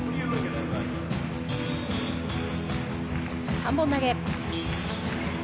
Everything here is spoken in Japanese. ３本投げ。